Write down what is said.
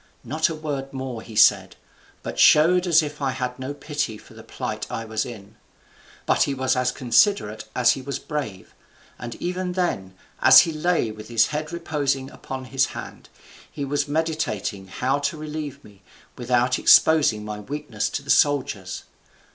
Not a word more he said, but showed as if he had no pity for the plight I was in. But he was as considerate as he was brave; and even then, as he lay with his head reposing upon his hand, he was meditating how to relieve me, without exposing my weakness to the soldiers.